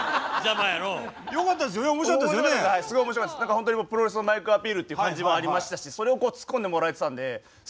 ホントにプロレスのマイクアピールって感じもありましたしそれをツッコんでもらえてたんですごい面白かったですね。